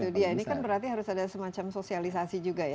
itu dia ini kan berarti harus ada semacam sosialisasi juga ya